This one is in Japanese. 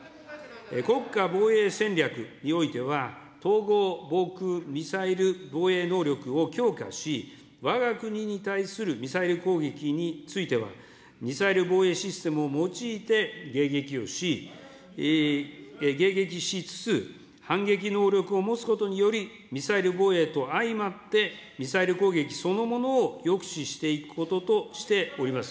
国家防衛戦略においては、統合防空ミサイル防衛能力を強化し、わが国に対するミサイル攻撃については、ミサイル防衛システムを用いて迎撃をし、迎撃しつつ、反撃能力を持つことにより、ミサイル防衛と相まってミサイル攻撃そのものを抑止していくこととしております。